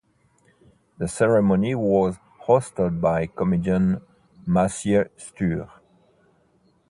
The ceremony was hosted by comedian Maciej Stuhr.